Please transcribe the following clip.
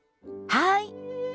はい。